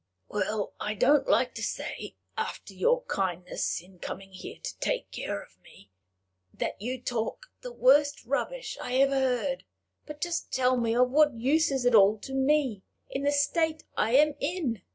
"Well! I don't like to say, after your kindness in coming here to take care of me, that you talk the worst rubbish I ever heard; but just tell me of what use is it all to me, in the state I am in!